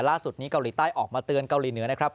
ล่าสุดนี้เกาหลีใต้ออกมาเตือนเกาหลีเหนือนะครับ